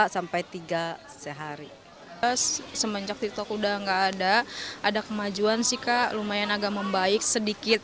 sampai tiga sehari semenjak tiktok udah enggak ada ada kemajuan sih kak lumayan agak membaik sedikit